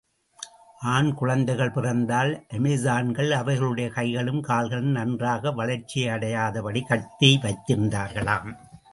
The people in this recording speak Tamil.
ஆண் குழந்தைகள் பிறந்தால், அமெசான்கள் அவைகளுடைய கைகளும் கால்களும் நன்றாக வளர்ச்சியடையாதபடி கட்டி வைத்திருந்தார்களாம்!